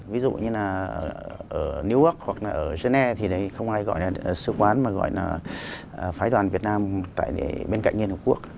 ví dụ như là ở newark hoặc là ở geneva thì không ai gọi là sứ quán mà gọi là phái đoàn việt nam bên cạnh như nước quốc